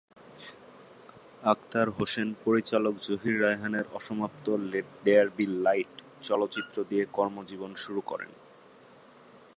আখতার হোসেন পরিচালক জহির রায়হানের অসমাপ্ত "লেট দেয়ার বি লাইট" চলচ্চিত্র দিয়ে কর্মজীবন শুরু করেন।